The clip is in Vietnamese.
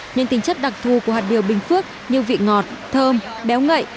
nhưng tính chất đặc thù của hạt điều bình phước như vị ngọt thơm béo ngậy